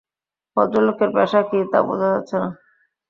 ভদ্রলোকের পেশা কী, তা বোঝা যাচ্ছে না!